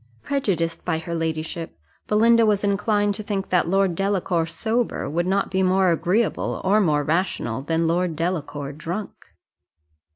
Prejudiced by her ladyship, Belinda was inclined to think that Lord Delacour sober would not be more agreeable or more rational than Lord Delacour drunk.